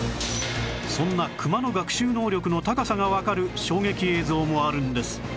そんなクマの学習能力の高さがわかる衝撃映像もあるんです